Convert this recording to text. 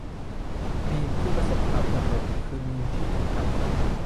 - มีมที่ประสบความสำเร็จ คือมีมที่ถูกทำซ้ำ